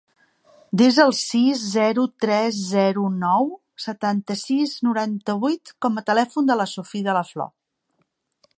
Desa el sis, zero, tres, zero, nou, setanta-sis, noranta-vuit com a telèfon de la Sophie De La Flor.